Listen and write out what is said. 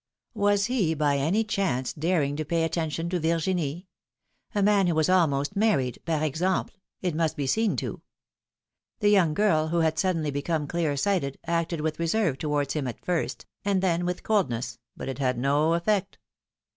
Was he by any chance daring to pay attention to Virginie? A man who was almost married — par exemple !— it must be seen to! The young girl, who had suddenly become clear sighted, acted with reserve towards him at first, and then with coldness, but it had no effect.